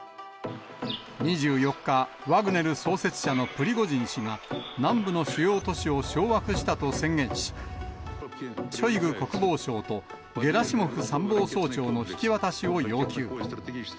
２４日、ワグネル創設者のプリゴジン氏が、南部の主要都市を掌握したと宣言し、ショイグ国防相とゲラシモフ参謀総長の引き渡しを要求。